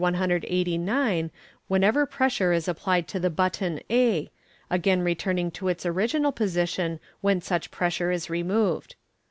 189 whenever pres sure is applied to the button a, again re turning to its original position when such pressure is removed.